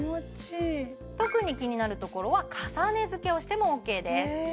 特に気になるところは重ねづけをしてもＯＫです